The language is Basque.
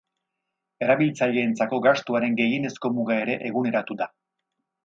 Erabiltzaileentzako gastuaren gehienezko muga ere eguneratu da.